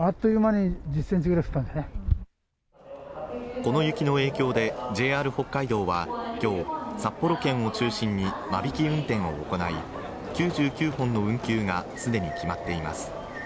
この雪の影響で、ＪＲ北海道は今日、札幌圏を中心に間引き運転を行い９９本の運休が既に決まっています。